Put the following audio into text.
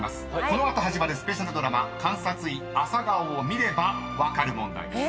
この後始まるスペシャルドラマ『監察医朝顔』を見れば分かる問題です］